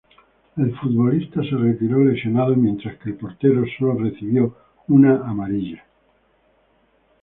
El futbolista se retiró lesionado, mientras que el portero sólo recibió una amarilla.